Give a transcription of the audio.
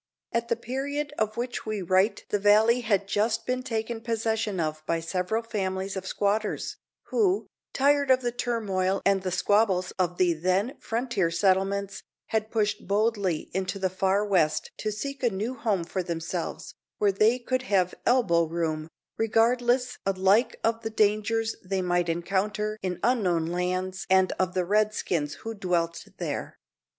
At the period of which we write the valley had just been taken possession of by several families of squatters, who, tired of the turmoil and the squabbles of the then frontier settlements, had pushed boldly into the far west to seek a new home for themselves, where they could have "elbow room," regardless alike of the dangers they might encounter in unknown lands and of the Redskins who dwelt there.